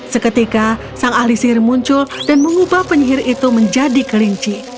seketika sang ahli sihir muncul dan mengubah penyihir itu menjadi kelinci